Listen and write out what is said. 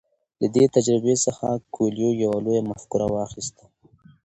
له دې تجربې څخه کویلیو یوه لویه مفکوره واخیسته.